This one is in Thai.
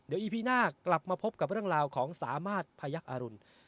เดี๋ยวอีพีหน้ากลับมาพบกับเรื่องราวของสามารถพยักษ์อรุณ